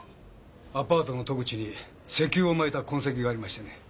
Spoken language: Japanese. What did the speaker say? アパートの戸口に石油を撒いた痕跡がありましてね。